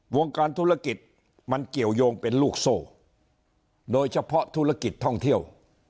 วงการธุรกิจมันเกี่ยวยงเป็นลูกโซ่โดยเฉพาะธุรกิจท่องเที่ยว